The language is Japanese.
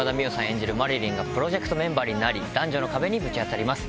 演じる麻理鈴がプロジェクトメンバーになり男女の壁にぶち当たります。